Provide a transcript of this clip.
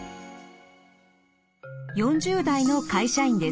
４０代の会社員です。